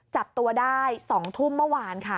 จับตัวได้๒ทุ่มเมื่อวานค่ะ